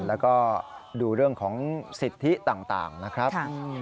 แล้วก็ดูเรื่องของสิทธิต่างนะครับ